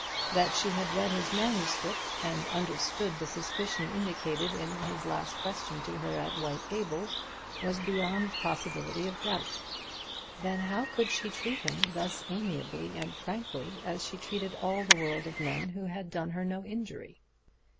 That she had read his manuscript, and understood the suspicion indicated in his last question to her at White Gables, was beyond the possibility of doubt. Then how could she treat him thus amiably and frankly, as she treated all the world of men who had done her no injury?